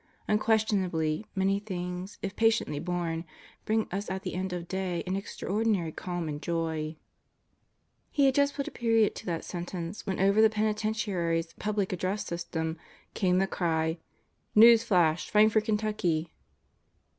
Unquestionably, many things, if patiently borne, bring us at the end of day an extraordinary calm and joy. ... He had just put a period to that sentence when over the Penitentiary's Public Address System came the cry: "News Flash. Frankfort, Kentucky